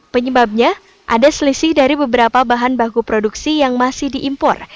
penyebabnya ada selisih dari beberapa bahan baku produksi yang masih diimpor